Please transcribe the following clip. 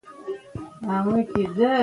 د خوشال د پاسني دويم غزل دا بيت